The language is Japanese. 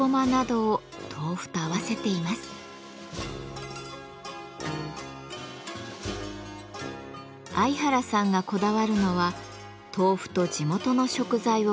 相原さんがこだわるのは豆腐と地元の食材を組み合わせること。